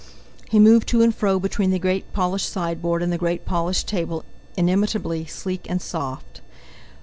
He moved to and fro between the great polished sideboard and the great polished table inimitably sleek and soft.